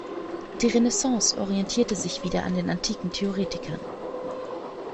Die Renaissance orientierte sich wieder an den antiken Theoretikern.